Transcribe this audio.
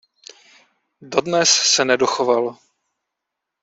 Dodnes se nedochoval.